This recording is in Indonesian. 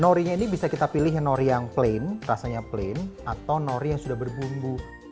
norinya ini bisa kita pilih yang nori yang plain rasanya plain atau nori yang sudah berbumbu